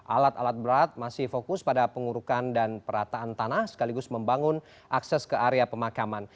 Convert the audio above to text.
alat alat berat masih fokus pada pengurukan dan perataan tanah sekaligus membangun akses ke area pemakaman